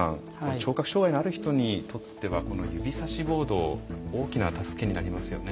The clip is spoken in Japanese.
聴覚障害のある人にとってはこの指さしボード大きな助けになりますよね。